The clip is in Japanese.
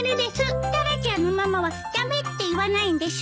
タラちゃんのママは駄目って言わないんでしょ？